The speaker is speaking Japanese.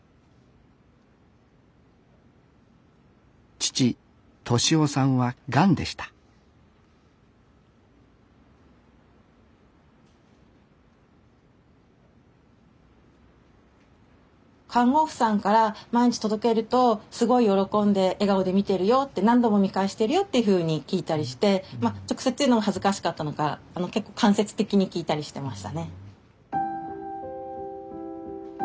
父利雄さんはがんでした看護婦さんから毎日届けるとすごい喜んで笑顔で見てるよって何度も見返してるよっていうふうに聞いたりして直接言うのは恥ずかしかったのか結構間接的に聞いたりしてましたね。